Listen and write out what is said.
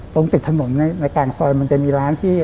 ตรงติดถนนในกลางซอยมันจะมีร้านที่